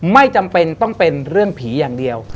ไม่จำเป็นต้องเป็นเรื่องผีอย่างเดียว